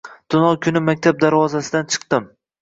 Tunov kuni maktab darvozasidan chiqdim.